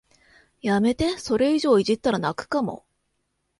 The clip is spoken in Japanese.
やめて、それ以上いじったら泣くかも